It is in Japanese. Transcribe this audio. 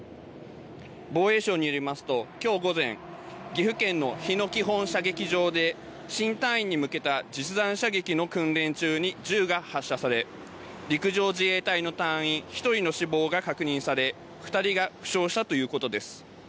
防衛省によりますときょう午前、岐阜県の日野基本射撃場で新隊員に向けた実弾射撃の訓練中に銃が発射され陸上自衛隊の隊員１人の死亡が確認され２人が負傷したということです。